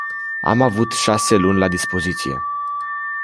Am avut șase luni la dispoziție.